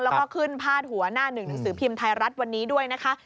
แล้วก็ขึ้นพาดหัวหน้าหนึ่งหนังสือพิมพ์ไทยรัฐวันนี้ด้วยนะคะ